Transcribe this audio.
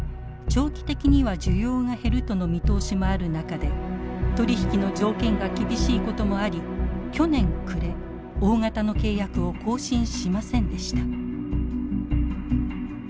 長期的には需要が減るとの見通しもある中で取り引きの条件が厳しいこともあり去年暮れ大型の契約を更新しませんでした。